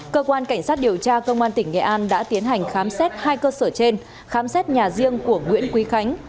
cơ quan cảnh sát điều tra công an tỉnh nghệ an đã tiến hành khám xét hai cơ sở trên khám xét nhà riêng của nguyễn quý khánh